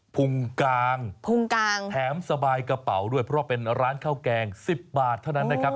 พุงกางพุงกลางแถมสบายกระเป๋าด้วยเพราะว่าเป็นร้านข้าวแกง๑๐บาทเท่านั้นนะครับ